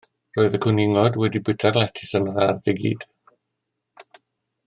Roedd y cwningod wedi bwyta'r letys yn yr ardd i gyd.